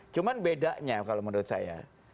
cuma bedanya kalau menurut saya